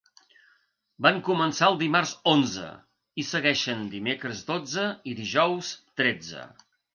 Van començar el dimarts, onze, i segueixen dimecres, dotze, i dijous, tretze.